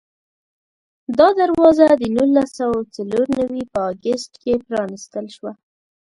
دا دروازه د نولس سوه څلور نوي په اګست کې پرانستل شوه.